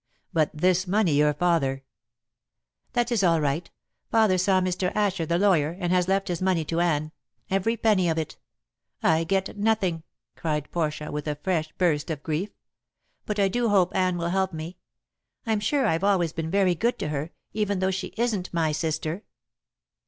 But this money your father " "That is all right. Father saw Mr. Asher, the lawyer, and has left his money to Anne, every penny of it. I get nothing," cried Portia, with a fresh burst of grief; "but I do hope Anne will help me. I'm sure I've always been very good to her, even though she isn't my sister."